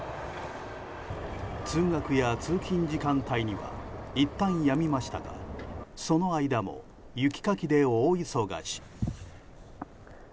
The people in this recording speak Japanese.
通学や通勤時間帯にはいったん、やみましたがその間も、雪かきで大忙し。